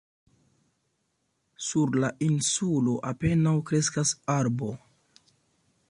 Sur la insulo apenaŭ kreskas arbo.